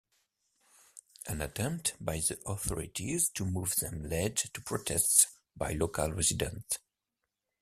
An attempt by the authorities to move them led to protests by local residents.